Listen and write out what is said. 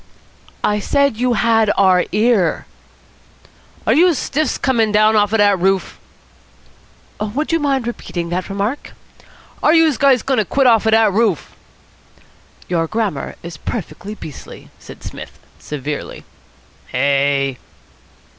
"I said you had our ear." "Are youse stiffs comin' down off out of dat roof?" "Would you mind repeating that remark?" "Are youse guys goin' to quit off out of dat roof?" "Your grammar is perfectly beastly," said Psmith severely. "Hey!"